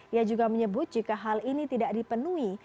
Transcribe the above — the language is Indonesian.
ia juga menyebut jika hal ini tidak dipenuhi